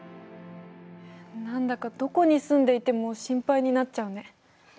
何だかどこに住んでいても心配になっちゃうね。